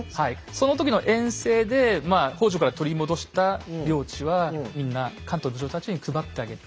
その時の遠征で北条から取り戻した領地はみんな関東の武将たちに配ってあげて。